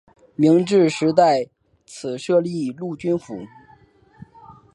明治时代在此设立陆军省。